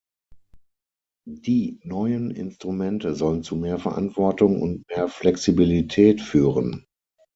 Die neuen Instrumente sollen zu mehr Verantwortung und mehr Flexibilität führen.